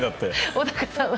小高さんは？